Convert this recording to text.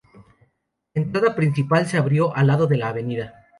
La entrada principal se abrió del lado de la Av.